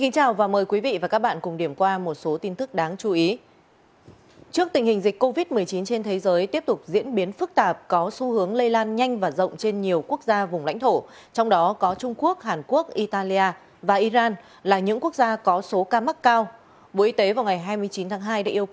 các bạn hãy đăng ký kênh để ủng hộ kênh của chúng mình nhé